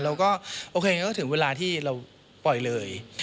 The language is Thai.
แล้วก็โอเคถึงเวลาที่เราปล่อยเลย